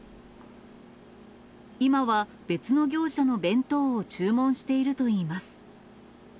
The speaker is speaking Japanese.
今は別の業者の弁当を注文しているといいます。